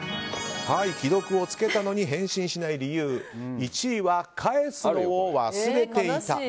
既読を付けたのに返信しない理由１位は、返すのを忘れていた。